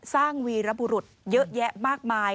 วีรบุรุษเยอะแยะมากมาย